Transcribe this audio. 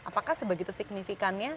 apakah sebegitu signifikannya